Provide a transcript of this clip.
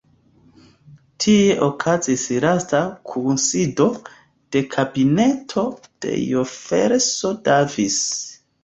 Tie okazis lasta kunsido de kabineto de Jefferson Davis.